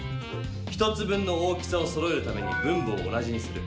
１つ分の大きさをそろえるために分母を同じにする。